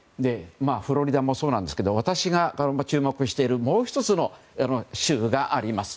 フロリダもそうなんですが私が注目しているもう１つの州があります。